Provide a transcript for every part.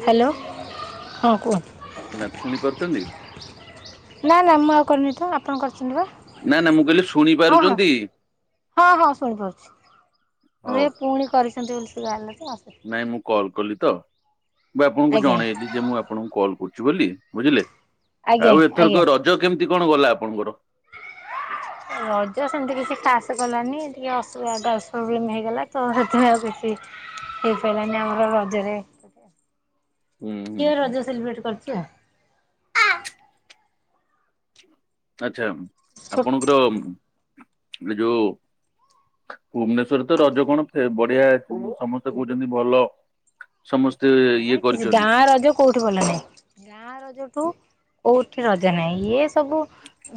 Hello ହଁ କୁହ। ନା ଶୁଣି ପାରୁଛନ୍ତି ନା ନା ମୁଁ ଆଉ କରିନି ତ ଆପଣ କରିଛନ୍ତି ବା। ନା ନା ମୁଁ କହିଲି ଶୁଣି ହଁ ହଁ ପାରୁଛନ୍ତି ହଁ ହଁ ଶୁଣିପାରୁଛି। ହଉ ହରେ ଆମ ପୁଣି କରିଛନ୍ତି ବୋଲି ସେ ଜାଣିତ। ନାଇଁ ମୁଁ କଲ କଲି ତ ମୁଁ ଆପଣଙ୍କୁ ଆଜ୍ଞା ଜଣେଇଲି ଯେ ମୁଁ ଆପ ଆପଣଙ୍କୁ କଲ କରୁଛି ବୋଲି ବୁଝିଲେ ଆଜ୍ଞା ଆଉ ଆଜ୍ଞା ଏଥରକ ରଜ କେମିତି କଣ ଗଲା ଆପଣଙ୍କର? ରଜ ସେମିତି କିଛି କାସ୍ ଗଲାନି ଟିକେ ଅସୁବିଧା ଗ୍ୟାସ ପ୍ରୋବ୍ଲେମ୍ ହେଇଗଲା ତ ସେଥିପାଇଁ ଆଉ କିଛି ହେଇପାଇଲାନି ଆମର ରଜରେ ହୁଁ ହୁଁ ଝିଅ ହୁଁ ରଜ ସେଲିବ୍ରେଟ କରିଛି ଆଉ। ଆଛା ଛୋଟ ଆପଣଙ୍କର ଏ ଯୋଉ ଭୁବନେଶ୍ୱରରେ ତ ରଜ କଣ ଫେ ବଢିଆ ସମସ୍ତେ କହୁଛନ୍ତି ଭଲ। ସମସ୍ତେ ହଁ ଇଏ କିଛି କରିଛନ୍ତି। ଗାଁ ରଜ କୋଉଠି ଭଲ ନାହିଁ ଗାଁ ରଜଠୁ କୋଉଠି ରଜ ନାହିଁ ଇଏ ସବୁ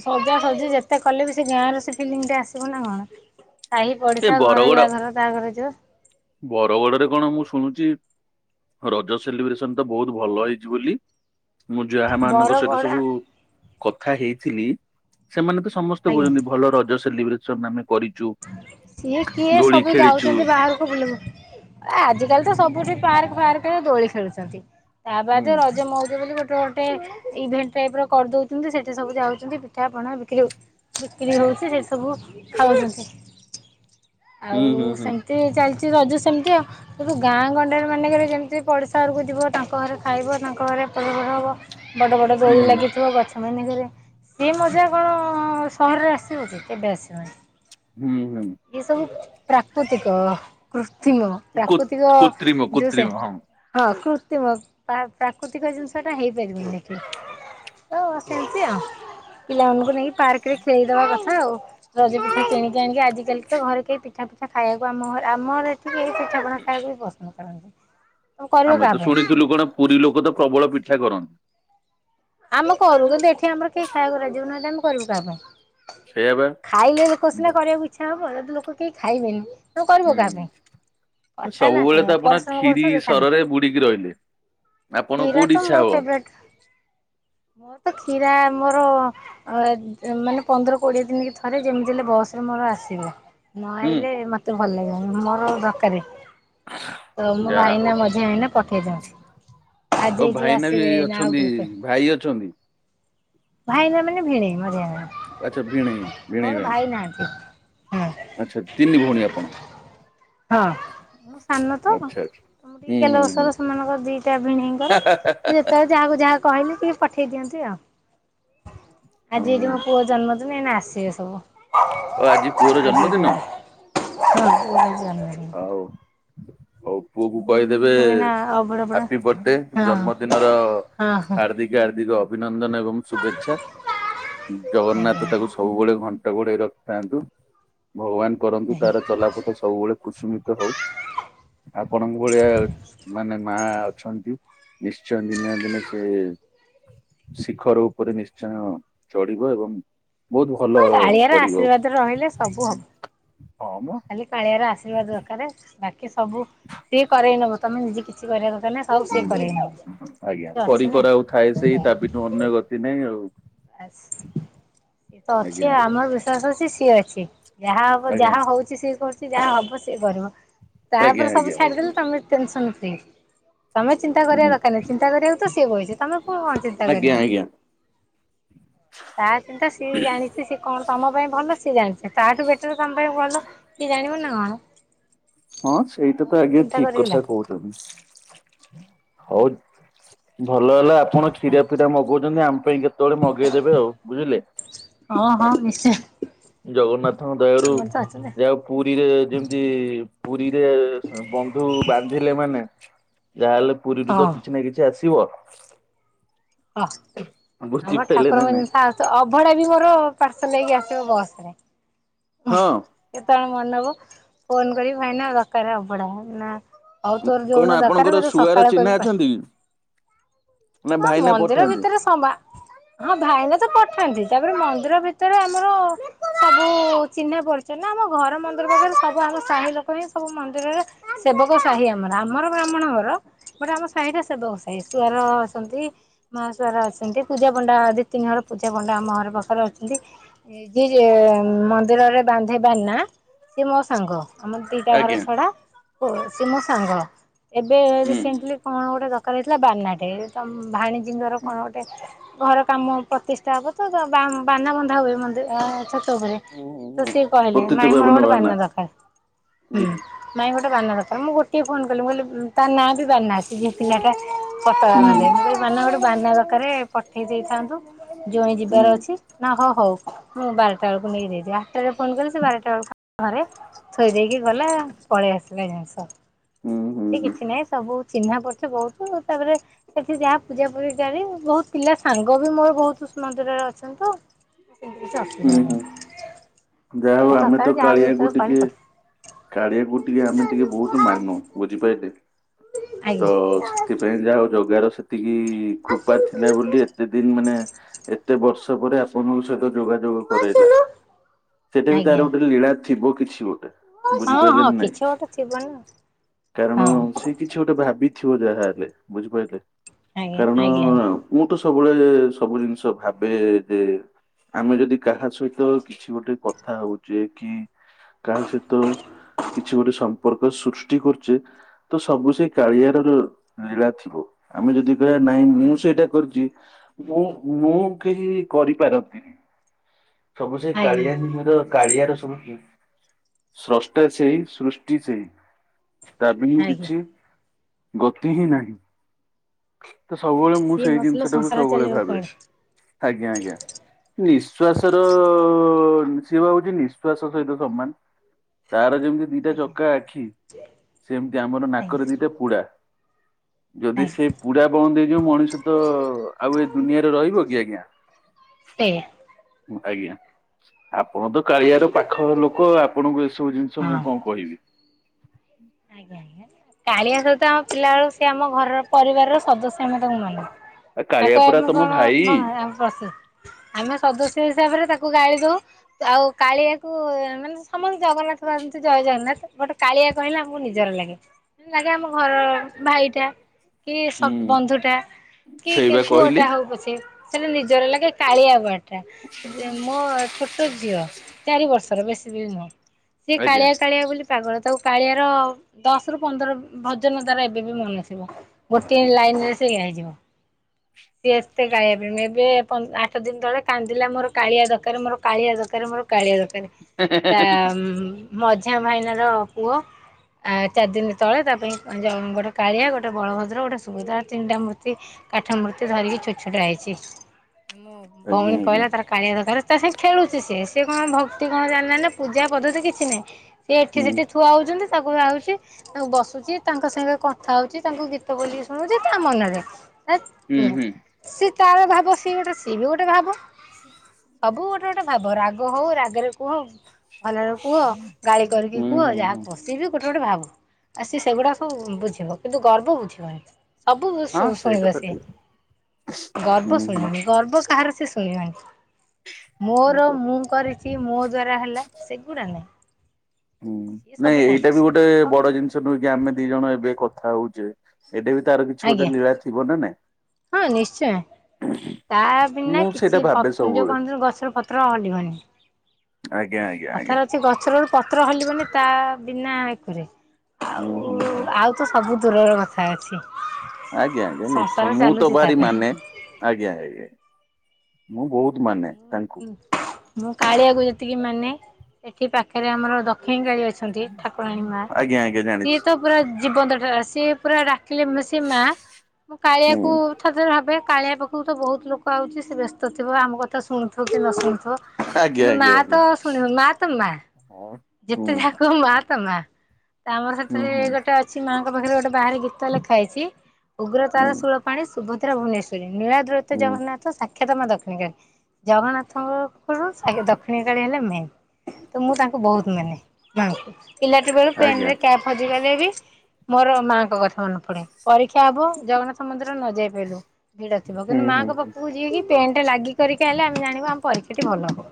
ସଜା ସଜି ଯେତେ କଲେ ବି ସେ ଗାଁ ର ସେ ଫିଲିଙ୍ଗଟା ଆସିବ ନା କଣ? ସାହି ଏ ପଡିଶା ଘର ବରଗଡ ୟା ଘର ତା ଘର ଯିଵ। ବରଗଡରେ କଣ ମୁଁ ଶୁଣୁଛି ରଜ ସେଲିବ୍ରେସନ ତ ବହୁତ ଭଲ ହେଇଛି ବୋଲି। ମୁଁ ଯାହା ବର ମାନଙ୍କ ସହିତ କଡା ସବୁ କଥା ହେଇଥିଲି ସେମାନେ ତ ସମ ଆଜ୍ଞା ଛନ୍ତି ଭଲ ରଜ ସେଲିବ୍ରେସନ ଆମେ କରି ସିଏ କିଏ ସବୁ ଯାଉଛନ୍ତି ବାହାରକୁ ବୁଲିବ ଏ ଆଜିକାଲି ତ ସବୁଠି ପାର୍କ ଫାର୍କରେ ଦୋଳି ଖେଳୁଛନ୍ତି। ତା ହୁଁ ବାଦେ ରଜ ମଉଜ ବୋଲି ଗୋଟେ ଗୋଟେ ଇଭେଣ୍ଟ ଟାଇପ ର କରିଦଉଛନ୍ତି ସେଠି ସବୁ ଯାଉଛନ୍ତି ପିଠାପଣା ବିକ୍ରି ହ ବିକ୍ରି ହଉଛି ସେ ସବୁ ଖାଉଛନ୍ତି। ହୁଁ ଆଉ ହୁଁ ହୁଁ ସେମିତି ଚାଲିଛି ରଜ ସେମିତି ଆଉ। କିନ୍ତୁ ଗାଁ ଗଣ୍ଡାରେ ମାନେଙ୍କରେ ଯେମିତି ପଡ଼ିଶା ଘରକୁ ଯିବ ତାଙ୍କ ଘରେ ଖାଇବ ତାଙ୍କ ଘରେ ପରିବର ହେବ। ବଡ଼ ବଡ଼ ଦୋଳି ହୁଁ ଲାଗିଥିବ ଗଛ ମାନଙ୍କରେ ସେ ମଜା କଣ ସହରରେ ଆସିବ କି କେବେ ଆସିବନି। ହୁଁ ହୁଁ। ଏ ସବୁ ପ୍ରାକୃତିକ କୃତ୍ରିମ କୋ ପ୍ରାକୃତିକ କୃତ୍ରିମ ଯୋଉ ସେ କୃତ୍ରିମ ହଁ ହଁ କୃତ୍ରିମ ପ୍ରାକୃତିକ ଜିନିଷ ଟା ହେଇପାରିବି କି। ତ ସେମିତି ଆଉ। ପିଲାମାନଙ୍କୁ ନେଇକି ପାର୍କ ରେ ଖେଳିଦବା କଥା ଆଉ ରଜ ପିଠା କିଣିକି ଆଣିକି ଆଜି ଦେଲେ ତ ଘରେ କେହି ପିଠା ଫିଠା ଖାଇବାକୁ ଆମ ଘରେ ଆମର ଏଠିକି ଏ ପିଠା ପଣା ଖାଇବାକୁ ବି ପସନ୍ଦ କରନ୍ତି ତମେ କରିବ ଆମେ କାହା ତ ପାଇଁ? ଶୁଣିଥିଲୁ କଣ ପୁରୀ ଲୋକ ତ ପ୍ରବଳ ପିଠା କରନ୍ତି। ଆମେ କରୁ କିନ୍ତୁ ଏଠି ଆମର କେହି ଖାଇବାକୁ ରାଜି ହଉନାହାନ୍ତି। ଆମେ କରିବୁ କାହା ପାଇଁ? ସେଇଆ ବା ଖାଇଲେ ଲୋକ ସିନା ହୁଁ କରିବାକୁ ଇଚ୍ଛା ହବ ଯଦ ଲୋକ କେହି ଖାଇବେନି। କରିବୁ କାହା ପାଇଁ କଥା ହେଲା ସବୁବେଳେ ତ ସେଇଆ ଆପଣ ପରିଶ୍ରମ କ୍ଷୀରି କରିଥିବା ଖାଲାନି। ସରରେ ବୁଡିକି ରହିଲେ ଆପଣ ଖିରା କୋଉଠି ତ ଇଚ୍ଛା ମୋର ହବ ଫେବରାଇଟି। ମୋର ତ କ୍ଷୀରା ମୋର ଅ ମାନେ ପନ୍ଦର କୋଡିଏ ଦିନ କି ଥରେ ଯେମିତି ହେଲେ ବସ ରେ ମୋର ଆସିବ। ନ ହୁଁ ଆଇଲେ ମତେ ଭଲ ଲାଗିବନି ମୋର ଦରକାରେ। ତ ମୋ ଯାହା ହଉ ଭାଇନା ମଝିଆ ହେଇନା ପଠେଇଦିଅନ୍ତି। ଓ ଆଜି ଯିଏ ଭାଇନା ବି ଆସିବେ ଆଉ ଅଛନ୍ତି ଟିକେ ପେ ଭାଇ ଅଛନ୍ତି ଭାଇନା ମାନେ ଭିଣେଇ ମଝିଆ ଆଚ୍ଛା ଭିଣେଇ ମୋର ଭିଣେଇ ଭ ଭାଇ ନାହାନ୍ତି। ହଁ ଆଛା ତିନି ଭଉଣୀ ଆପଣ ହଁ ମୁଁ ସାନ ତ। ଆଚ୍ଛା ଆଚ୍ଛା ତି ହୁଁ ହୁଁ ହୁଁ। ଗେଲବସର ସେମାନଙ୍କ ଦିଟା ହା ଭିଣୀଇଙ୍କର ହା ହା ହା ଯେତେଳେ ଯାହାକୁ ଯାହା କହିଲେ ଟିକେ ପଠେଇ ଦିଅନ୍ତି ଆଉ। ହା। ଆଜି ହୁଁ ଏଇଠି ମୋ ପୁଅ ଜନ୍ମଦିନ ଏଇନା ଆସିବେ ସବୁ। ଆଉ ଆଜି ପୁଅର ଆଉ ଟିକେ ଜନ୍ମଦିନ। ପରେ। ହଁ [inaudible] ଜାନୁୟାରୀ ହଉ ହଉ। ପୁଅ କୁ କହିଦେବେ ସବୁ ଏଇନା ଅଭଡ଼ା ଫଭଡ଼ା ହାପି ବଡେ ହଁ ଜନ୍ମଦିନର ହଁ ହଁ ହାର୍ଦ୍ଦିକ ହାର୍ଦ୍ଦିକ ଅଭିନନ୍ଦନ ଏବଂ ଶୁଭେଚ୍ଛା। ଆଜ୍ଞା। ଜଗନ୍ନାଥ ତାକୁ ସବୁବେଳେ ଘଣ୍ଟ ଘୋଡେଇ ରଖିଥାନ୍ତୁ। ଭଗବାନ କରନ୍ତୁ ତାର ଆଜ୍ଞା। ଚଲାପଥ ସବୁବେଳେ କୁଶୁମିତ ହଉ। ଆପଣଙ୍କ ଭଳିଆ ମାନେ ମା ଅଛନ୍ତି। ନିଶ୍ଚୟ ଦିନେ ନା ଦିନେ ସେ ଶିଖର ଉପରେ ନିଶ୍ଚୟ ଚଢିବ ଏବଂ ବହୁତ ଭଲ ଗାଳିଆର ପଢିବ ଆଶୀର୍ବାଦ ରହିଲେ ସବୁ ହବ। ହଁ ମ ଖାଲି କାଳିଆର ଆଶୀର୍ବାଦ ଦରକାର ବାକି ସବୁ ସିଏ କରେଇ ନବ ତମେ ନିଜେ କିଛି କରିବା ଦରକାର ନା। ହୁଁ ଆଜ୍ଞା କରି ନା। କରାଉ ଥାଏ ସେଇ ସେଇ ତା ବିଠୁ ଅନ୍ୟ ଗତି ନାହିଁ ଆଉ। ସିଏ ତ ଆଜ୍ଞା ଅଛି ଆଜ୍ଞା ଆମର ବିଶ୍ୱାସ ଅଛି ସିଏ ଅଛି ଯାହା ହବ ଆଜ୍ଞା ଯାହା ହଉଛି। ଏ କରୁଛି ଯାହା ହବ ସିଏ କରିବ ଆଜ୍ଞା ତାପରେ ସବୁ ଆଜ୍ଞା ଆଜ୍ଞା ଛାଡିଦେଲେ ତମେ ଟେନ୍ସନ୍ ଫ୍ରି। ତମେ ଚିନ୍ତା କରିବା ହୁଁ ଦରକାର ନାହିଁ ଚିନ୍ତା କରିବାକୁ ତ ସିଏ ବଇଚି ତମେ କଣ କଣ ଚିନ୍ତା ଆଜ୍ଞା କରିବ। ଆଜ୍ଞା। ତା ଚିନ୍ତା ସିଏ ଜାଣିଚି ସିଏ କଣ ତମ ପାଇଁ ଭଲ ସିଏ ଜାଣିଛ ତାଠୁ ବ। [unintelligible] କିଏ ଜାଣିବନି ନା କଣ। ହଁ ସେଇଟା ତ ଆଉ ଆଜ୍ଞା ଚିନ୍ତା ଠିକ କରିକି କଥା ଲାଭ କହୁଛନ୍ତି ହଉ। ଭଲ ହେଲା ଆପଣ କ୍ଷୀରା ପିରା ମଗଉଛନ୍ତି ଆମ ପାଇଁ କେତେବେଳେ ମଗେଇଦେବେ ଆଉ ବୁଝିଲେ। ହଁ ହଁ ନିଶ୍ଚୟ ଜଗନ୍ନାଥଙ୍କ ଦୟାରୁ ଆମର ତ ଅଛନ୍ତି। ଯାହା ପୁରୀରେ ଯେମିତି ପୁରୀରେ ବନ୍ଧୁ ବାନ୍ଧିଲେ ମାନେ ଯାହାହେଲେ ପୁରୀରୁ ତ ହଁ କିଛି ନା କିଛି ଆସିବ ଓହ ଆମ ବୁଝିପାରିଲେ ନା ଠାକୁରଙ୍କ ନାଇଁ। ଜିନିଷ ଆସ ଅଭଡ଼ା ବି ମୋର ପାର୍ସଲ ନେଇକି ଆସିବ ବସରେ। ହଁ କେତେବେଳେ ମନେ ହବ ଫୋନ କରିବି ଭାଇନା ଦକରେ ଅବଢ଼ା ନା ହଉ ତୋର କଣ ଯୋଉଦିନ ଦରକାର ଆପଣଙ୍କର ମତେ ଶୁଆର ସକାଳେ ଚିହ୍ନା କହିବୁ ଅଛନ୍ତି କି? ନା ପାର ଆ ଭାଇନା ମନ୍ଦିର ପଠାନ୍ତି ଭିତରେ ସବା ହଁ ଭାଇନା ତ ପଠାନ୍ତି ତାପରେ ମନ୍ଦିର ଭିତରେ ଆମର ସବୁ ଚିହ୍ନା ପରିଚ ନା ଆମ ଘର ମନ୍ଦିର ପାଖରେ ସବୁ ଆଗ ସାହି ଲୋକ ହିଁ ସବୁ ମନ୍ଦିରରେ ସେବକ ସାହି ଆମର ଆମର ବ୍ରାହ୍ମଣ ଘର ଗୋଟେ ଆମ ସାହିଟା ସେବକ ସାହି। ସୁଆର ଅଛନ୍ତି। ମହାସୁଆର ଅଛନ୍ତି ପୂଜାପଣ୍ଡା ଦି ତିନି ଘର ପୂଜା ପଣ୍ଡା ଆମ ଘର ପାଖରେ ଅଛନ୍ତି। [inaudible] ମନ୍ଦିରରେ ବାନ୍ଧେ ବାନା ସି ଏ ମୋ ସାଙ୍ଗ ଆମର ଦିଟା ଘର ଆଜ୍ଞା ଛଡା ସିଏ ମୋ ସାଙ୍ଗ ଏବେ ହୁଁ। ରିସେଣ୍ଟଲି କଣ ଗୋଟେ ଦରକାର ହେଇଥିଲ ବାନା ତେ ଭାଣେଜୀ ଙ୍କର କଣ ଗୋଟେ ଘର କାମ ପ୍ରତିଷ୍ଠା ହବ ତ ବାନା ବନ୍ଧା ହୁଏ ମନ୍ଦିର ଛାତ ଉପରେ। ହୁଁ ହୁଁ ତ ହୁଁ ସିଏ କହିଲେ ପତିତ ମାଇଁ ମୋର ପାବନ ଗୋଟେ ଭାଇନା ବାନା ଦରକାର। ହୁଁ ନାଇଁ ଗୋଟେ ବନ୍ ଦରକାର ମୁଁ ଗୋଟିଏ ଫୋନ କଲି ମୁଁ କହିଲି ତା ନାଁ ବି ବାନା ସେ ଯି ପିଲାଟା ପତକା ହୁଁ ବାନ୍ଧେ ମୁଁ ବାନା ଗୋଟେ ବାନା ଦରକାରେ। ପଠେଇ ଦେଇଥାନ୍ତୁ ଜ୍ୱଇଁ ହୁଁ ଯିବାର ଅଛି ନା ହଉ ହଉ ମୁଁ ବାରଟା ବେଳକୁ ନେଇଯିବି ଆ ସେ ଫୋନ କଲି ସେ ବାରଟା ବେଳ ଘରେ ଥୋଇ ଦେଇକି ଗଲା ପଳେଇ ଆସିଲା ଜିନିଷ। ହୁଁ ହୁଁ ସେ ହୁଁ କିଛି ନାହିଁ ସବୁ ଚିହ୍ନା ପରିଚ ବହୁତ ତାପରେ ସେଠି ଯାହା ପୂଜା ପୂଜି ଚାଲେ ବହୁତ। ପିଲା ସାଙ୍ଗ ବି ମୋର ବହୁତ ମନ୍ଦିରରେ ଅଛନ୍ତି ତ ସେମିତି କିଛି ଅସୁବିଧା ହୁଁ ନାଇଁ। ହୁଁ। ଯାହା ହଉ ଆମେ ତ କାଳିଆକୁ ଯେତେବେଳେ କହିଲେ ଟିକେ ପଠେଇବି କାଳିଆକୁ ଟିକେ ଆମେ ଟିକେ ବହୁତ ମାନୁ। ବୁଝିପାଇଲେ ତ ଆଜ୍ଞା ସେଥିପାଇଁ ଯାହା ହଉ ଜଗାର ସେତିକି କୃପା ଥିଲା ବୋଲି ଏତେ ଦିନ ମାନେ ଏତେ ବର୍ଷ ପରେ ଆପଣଙ୍କ ସହିତ ଯୋଗ କରାଇଲା ସେଟା ବି ତାର ଆଜ୍ଞା। ଗୋଟେ ଲୀଳା ଥିବ କିଛି ଗୋଟେ ହଁ ହଁ ବୁଝିପାରିଲନି ନାଇଁ କିଛି ଗୋଟେ ଥିବ ନା କାରଣ ହଁ ସେ କିଛି ଗୋଟେ ଭାବିଥିବ ଯାହା ହେଲେ ବୁଝିପାରିଲେ ଆଜ୍ଞା କାରଣ ଆଜ୍ଞା ଆଜ୍ଞା ମୁଁ ତ ସବୁବେଳେ ସବୁ ଜିନିଷ ଭାବେ ଯେ ଆମେ ଯଦି କାହା ସହିତ କିଛି ଗୋଟେ କଥା ହଉଛେ କି କାରଣ ସେ ତ କିଛି ଗୋଟେ ସୃଷ୍ଟି କରୁଛେ ତ ସବୁ ସେ କାଳିଆର ଲୀଳା ଥିବ ଆମେ ଯଦି ନାଇଁ ମୁଁ ଆଜ୍ଞା ସେଇଟା କରିଛି ମୁଁ ମୁଁ କେହି କରିପାରନ୍ତି ସବୁ ସେ ଆଜ୍ଞା କାଳିଆ ନିର କାଳିଆର ସ ସ୍ରଷ୍ଟା ସେଇ ସୃଷ୍ଟି ସେଇ ତା ପାଇଁ ହିଁ ଆଜ୍ଞା କିଛି ଗତି ହିଁ ନାହିଁ ତ ସବୁବେଳେ ମୁଁ ସିଏ ସେଇ ନଥିଲେ ଜିନିଷ ଟାକୁ ସଂସାର ସବୁବେଳେ ଚାଲିବ ଭା କୁଆଡେ ଆଜ୍ଞା ଆଜ୍ଞା ନିଃଶ୍ଵାସ ର ସି ହଉଛି ନିଶ୍ଵସ ସହିତ ସମାନ ତାର ଯେମିତି ଦିଟା ଆଜ୍ଞା ଚକା ଆଖି ସେମିତି ଆମର ଆଜ୍ଞା ନାକରେ ଦିଟା ପୋଡା ଯଦି ଆଜ୍ଞା ସେ ପୁରଡା ବଣ ଦେଇ ଯାଉ ମଣିଷ ତ ଆଉ ଏ ଦୁନିଆରେ ରହିବ କି ଆଜ୍ଞା ଟେ ଆଜ୍ଞା ଆପଣ ତ କାଳିଆର ପାଖ ଲୋକ ଆପଣଙ୍କୁ ଏସବୁ ଜିନିଷ ହଁ ମୁଁ କଣ କହିବି ଆଜ୍ଞା ଆ୍ା କାଳିଆ ସହିତ ଆମ ପିଲା ବଳ ସି ଆମ ଘରର ପରିବାରର ସଦସ୍ୟ ଆମେ ତାଙ୍କୁ ମନ ଆ କାଳିଆ ତାକୁ ପରା ଏମ ତମ କଣ ଭାଇ କଣ ପ୍ରସିଦ୍ଧ ଆମେ ସଦସ୍ୟ ହିସାବରେ ତାକୁ ଗାଳି ଦଉ। ଆଉ କାଳିଆକୁ ମାନେ ସମସ୍ତେ ଜଗନ୍ନାଥ ବାନ୍ତି ଜୟ ଜଗନ୍ନାଥ ଗୋଟେ କାଳିଆ କହିଲା ନିଜର ଲାଗେ ଲାଗେ ଆମ ଘର ଭାଇଟା କି ହୁଁ ବନ୍ଧୁ ଟା କି ସେଇବା ପୁଅ କହିଲି ଟା ହଉ ପଛେ। ସେ ନିଜର ଲାଗେ କାଳିଆବାର ଟା ମୋ ଛୋଟ ଛୋଟ ଝିଅ ଚାରି ବର୍ଷର ବେଶୀ ବି ନୁହଁ ସେ ଆଜ୍ଞା। କାଳିଆ କାଳିଆ ବୋଲି ପାଗଳ ତାକୁ କାଳିଆ [unintelligible] ଦଶ ରୁ ପନ୍ଦର ଭଜନ ଦ୍ଵାରା ଏବେ ବି ମନରଥିବ। ଗୋଟିଏ ଲାଇନରେ ସେୟା ହେଇଯିବ। ସିଏ ଏତେ କାଳିଆ ପାଇଁ ତେବେ ଆଠ ଦିନ ତଳେ କାନ୍ଦିଲା ମୋର କାଳିଆ ଦରକାର ମୋର କାଳିଆ ଦରକାର ମୋର କାଳିିଆ ଦରକାର ତା ମଝା ଭାଇନା ର ପୁଅ ଆ ଚାରି ଦିନ ତଳେ ତା ପାଇଁ ଗୋଟେ କାଳିଆ ଗୋଟେ ବଳଭଦ୍ର ଗୋଟେ ସୁଭଦ୍ରା ତିନିଟା ମୂର୍ତ୍ତି କାଠ ମୂର୍ତ୍ତି ଧରିକି ଛୋଟ ଛୋଟ ଆଇଚି। ଆଜ୍ଞା ଭଉଣୀ ଆଜ୍ଞା କହିଲା ତାର କାଳିଆ ଦରକାର ତା ସାଙ୍ଗେ ଖେଳୁଛି ସିଏ ସେ କଣ ଭକ୍ତି କଣ ଜାଣିନା‌ହାନ୍ତି ନା ପୂଜା ପଦ୍ଧତି କିଛି ନାହିଁ। ସେ ଏଠି ହୁଁ ସେଠି ଥୁଆ ହଉଚନ୍ତି ତାଙ୍କୁ ଆଉଚି। ତାଙ୍କୁ ବସୁଚି ତାଙ୍କ ସାଙ୍ଗେ କଥା ହଉଛି ତାଙ୍କୁ ଗୀତ ବୋଲିକି ଶୁଣୁଚି ତା ମନରେ ହୁଁ ହୁଁ ସିଏ ତାର ଭାବ ସିଏ ଗୋଟେ ସିଏ ବି ଗୋଟେ ଭାବ। ସବୁ ଗୋଟେ ଗୋଟେ ଭାବ ରାଗ ହଉ ରାଗରେ କୁହ। ଭଲରେ କୁହ ଗାଳି କରିକି ହୁଁ କୁହ ହୁଁ ଯାହା ହୁଁ। କୁହ। ସିଏ ବି ଗୋଟେ ଗୋଟେ ଭାବ ଆଉ ସି ସେଗୁଡାକ ସବୁ ବୁଝିବ କିନ୍ତୁ ଗର୍ବ ବୁଝିବନି। ସବୁ ହଁ ଶୁଣି ସେଇଟା ଶୁଣିବ ତ ସି ଠିକ୍ ହୁଁ ଗର୍ବ ଶୁଣିବନି ଗର୍ବ କାହାର ସେ ଶୁ ଶୁଣିବନି ମୋର ହୁଁ। ମୁଁ କରିଚି ମୋ ଦ୍ଵାରା ହେଲା ସେଗୁଡା ନାଇଁ। ହୁଁ ନାଇଁ ଏଇଟା ବି ଗୋଟେ ବଡ ଜିନିଷ ନୁହେଁ କି ଆମେ ଦି ଜଣ ଏବେ କଥା ହଉଚେ ଏଟେବି ତାର କିଛି ଗୋଟେ ଆଜ୍ଞା ଲୀଳା ଥିବ ନା ହଁ ନିଶ୍ଚୟ। ନାଇଁ। ତା ବିନା ମୁଁ ସେଇଟା କିଛି ପ ଭାବେ ଯୋଉ ସବୁବେଳେ। କହନ୍ତୁ ଗଛର ପତ୍ର ହଲିବନି। ଆଜ୍ଞା ଆଜ୍ଞା ଆଜ୍ଞା କଥାରେ ଅଛି ଗଛର ପତ୍ର ହଲିବନି ତା ବିନା ଏତିରେ। ହୁଁ ଆଉ ହୁଁ ହୁଁ ଆଉ ତ ସବୁ ଦୂରର କଥା ଅଛି। ଆଜ୍ଞା ଆଜ୍ଞା ନିଶ୍ଚୟ ସଂସାର ମୁଁ ତ ଚାଲୁଛି ତା ଭାରି ପାଇଁ। ମାନେ। ଆଜ୍ଞା ଆଜ୍ଞା ମୁଁ ବହୁତ ମାନେ। ତାଙ୍କୁ ମୁଁ କାଳିଆକୁ ଯେତିକି ମାନେ ଏଠି ପାଖରେ ଆମର ଦକ୍ଷିଣୀ କାଳିଆ ଅଛି। ଠାକୁରାଣୀ ମା ଆଜ୍ଞା ଆଜ୍ଞା ସିଏ ଜାଣିଛି। ତ ପୁରା ଜୀବନ୍ତ ଠାକୁ ସିଏ ପୁରା ରା ତାକିଲିପ୍ ସିଏ ମା ମୁଁ ହୁଁ କାଳିଆକୁ ଥରେ ଥରେ ଭାବେ କାଳିଆ ପାଖ ଙ୍କୁ ତ ବହୁତ ଲୋକ ଆଉଚି ସେ ବ୍ୟସ୍ତ ଥିବ ଆମ କଥା ଶୁଣୁଥିବ କି ନ ଶୁଣୁଥୁବ ହଁ କିନ୍ତୁ ମା ତ ଶୁଣିବ ମା ତ ମା। ଅ ଯେତେ ଯାହା କହ ମା ତ ମା ତ ଆମର ହୁଁ ସେଥିରେ ହୁଁ ଗୋଟେ ଅଛି ମାଙ୍କ ପାଖରେ ଗୋଟେ ବାହାରେ ଗୀ ଲେଖା ହେଇଚି ଉଗ୍ରତାର ହୁଁ ସୁଳ ପାଣି ସୁଭଦ୍ରା ଭୁବନେଶ୍ରୀ ନୀଳା ଦ୍ରତ ହୁଁ ଜଗନ୍ନାଥ ସା କ୍ଷତମା ଦକ୍ଷିମିକା ଜଗନ୍ନାଥଙ୍କର କଣ ଦକ୍ଷିଣ କାଳି ହେଲେ ମେନ୍ ତ ମୁଁ ତା ବହୁତ ମାନେ ମାଙ୍କୁ ପିଲାଟି ବେଳୁ ପେନ୍ ଆଜ୍ଞା ରେ କିଆ ଖୋଜିବା ଦେବି ମୋର ମାଙ୍କ କଥା ମନେ ପଡେ ପରୀକ୍ଷା ହବ ଜଗନ୍ନାଥ ମନ୍ଦିର ନ ଯାଇ ଲୁ ଭିଡା ଥିବ ହୁଁ କିନ୍ତୁ ହୁଁ। ମାଆଙ୍କ ପାଖକୁ ଯିଏକି ପେନ୍ ଟା ଲାଗି କରିକି ଆଇଲା ଆମେ ଜାଣିବୁ ଆମ ପରୀକ୍ଷା ଟି ଭଲ ହବ।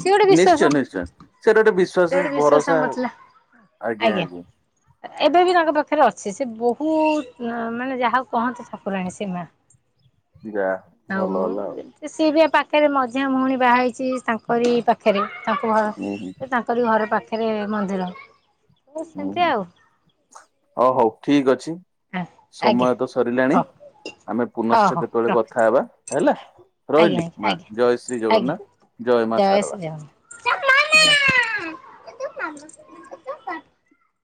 ସିଏ ଗୋଟେ ବିଶ୍ୱାସ ସେ ନିଶ୍ଚୟ ନିଶ୍ଚୟ ସେଟା ଗୋଟେ ବିଶ୍ଵାସ ଗୋଟେ ବିଶ୍ୱାସ ଭରସା ଆମର ଥିଲା ଆଜ୍ଞା ଆଜ୍ଞା। ଏବେ ବି ତାଙ୍କ ପାଖରେ ଅଛି ସେ ବହୁତ ମାନେ ଯାହାକୁ କହନ୍ତି ଠାକୁରାଣୀ ସିଏ ମା। ଯାହା ଆଉ ଭଲ ମୁ ହେଲା ଆଉ ସିଏ ବି ପାଖରେ ମଝିଆ ଭଉଣୀ ବାହା ହେଇଚି ତାଙ୍କରି ପାଖରେ ତାଙ୍କୁ ଭା ହୁଁ ହୁଁ ତାଙ୍କରି ଘର ପାଖରେ ମନ୍ଦିର। ହୁଁ ସେମିତି ହୁଁ ଆଉ। ହଉ ହଉ ଠିକ୍ ଅଛି ଆ ଆଜ୍ଞା ସମୟ ତ ସରିଲାଣି। ହଉ ଆମେ ହଉ ପୁନଶ୍ଚ ହଉ କେତେବେଳେ ରଖୁଛି କଥା ହେବା, ହେଲା। ଆଜ୍ଞା ରହିଲି, ମା ଆଜ୍ଞା ଆଜ୍ଞା। ଜୟ ଶ୍ରୀ ଜଗନ୍ନାଥ୍ ଜୟ ମା ଶାରଳା। ଜ [unintelligible]